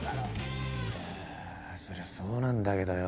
いやそりゃそうなんだけどよ。